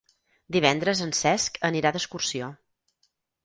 Divendres en Cesc anirà d'excursió.